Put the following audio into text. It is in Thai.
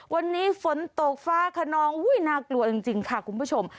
วันนี้ฝนตกฟ้าขนองน่ากลัวจริงค่ะคุณผู้ชม